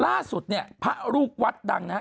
ล่าสุดเนี่ยพระลูกวัดดังนะครับ